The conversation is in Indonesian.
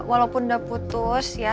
walaupun udah putus ya